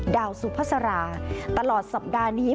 ดาวซพาสราตลอดสัปดาห์นี้